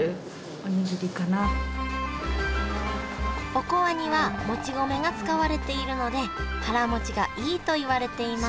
おこわにはもち米が使われているので腹もちがいいといわれています